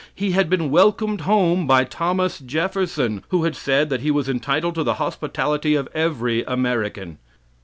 He had been welcomed home by Thomas Jefferson, who had said that he was entitled to the hospitality of every American.